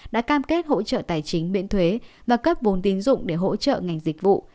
đã cam kết hỗ trợ tài chính miễn thuế và cấp vốn tín dụng để hỗ trợ ngành dịch vụ